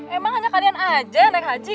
emang hanya kalian aja yang naik haji